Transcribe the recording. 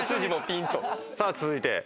さあ続いて。